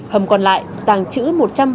hầm còn lại tàng chữ một trăm bảy mươi sáu